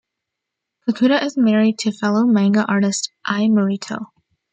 Kakuta is married to fellow manga artist Ai Marito.